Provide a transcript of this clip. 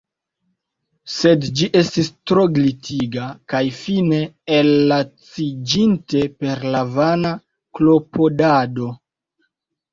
Sed ĝi estis tro glitiga; kaj fine, ellaciĝinte per la vana klopodado.